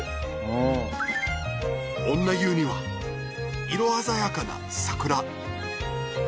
女湯には色鮮やかな桜。